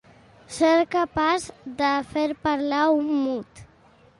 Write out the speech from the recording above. Ser capaç de fer parlar un mut.